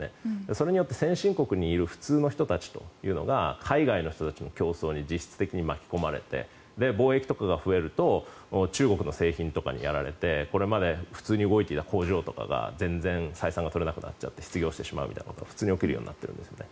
それによって先進国にいる普通の人たちというのが海外の人たちの競争に実質的に巻き込まれて貿易とかが増えると中国の製品とかにやられてこれまで普通に動いていた工場とかが全然採算が取れなくなっちゃって失業してしまうということが普通に起きるようになっているんですね。